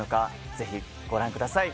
ぜひご覧ください